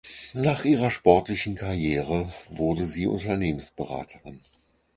Nach ihrer sportlichen Karriere wurde sie Unternehmensberaterin.